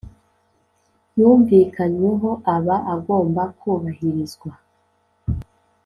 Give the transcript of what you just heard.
yumvikanyweho aba agomba kubahirizwa